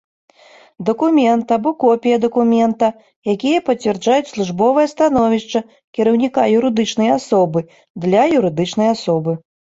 Дакумент або копiя дакумента, якiя пацвярджаюць службовае становiшча кiраўнiка юрыдычнай асобы, – для юрыдычнай асобы.